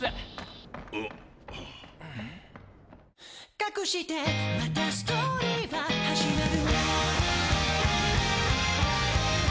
「かくしてまたストーリーは始まる」